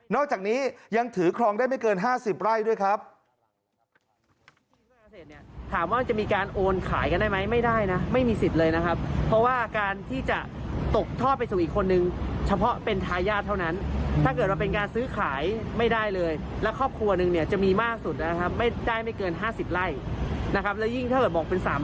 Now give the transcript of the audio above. อกจากนี้ยังถือครองได้ไม่เกิน๕๐ไร่ด้วยครับ